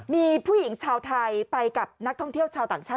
มีผู้หญิงชาวไทยไปกับนักท่องเที่ยวชาวต่างชาติ